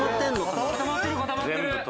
固まってる。